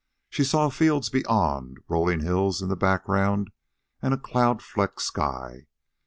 She saw fields beyond, rolling hills in the background, and a cloud flecked sky.